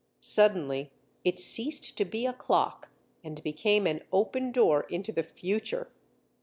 Suddenly, it ceased to be a clock and became an open door into the future.